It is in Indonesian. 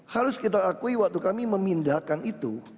harus kita akui waktu kami memindahkan itu